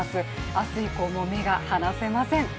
明日以降も目が離せません。